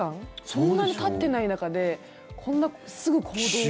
そんなにたってない中でこんなにすぐ行動を。